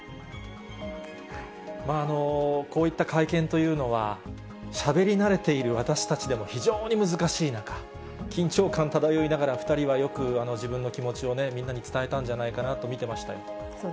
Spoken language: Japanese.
こういった会見というのは、しゃべり慣れている私たちでも、非常に難しい中、緊張感漂いながら、２人はよく自分の気持ちをね、みんなに伝えたんじゃないかなと見てましたよ。